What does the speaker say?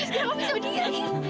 kamu bisa diam